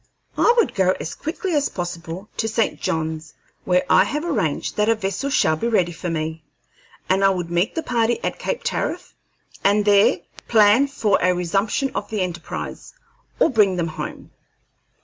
"I would go as quickly as possible to St. John's, where I have arranged that a vessel shall be ready for me, and I would meet the party at Cape Tariff, and there plan for a resumption of the enterprise, or bring them home.